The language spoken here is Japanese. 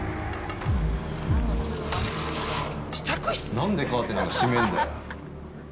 ◆なんでカーテンなんか閉めんだよ。